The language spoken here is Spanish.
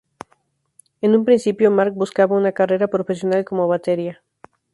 En un principio, Mark buscaba una carrera profesional como batería.